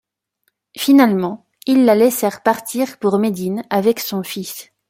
Finalement, ils la laissèrent partir pour Médine avec son fils.